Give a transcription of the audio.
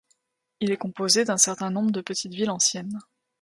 Il est composé d'un certain nombre de petites villes anciennes.